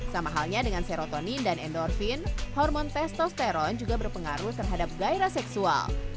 sama halnya dengan serotonin dan endorfin hormon testosteron juga berpengaruh terhadap gairah seksual